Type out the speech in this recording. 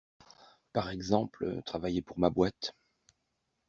Par exemple, travailler pour ma boîte.